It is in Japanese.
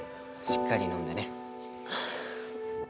しっかりのんでね。